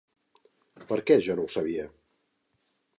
Per què jo no ho sabia?